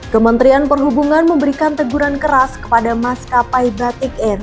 kementerian perhubungan memberikan teguran keras kepada maskapai batik air